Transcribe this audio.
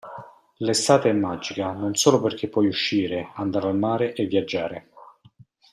L'estate è magica non solo perché puoi uscire, andare al mare e viaggiare.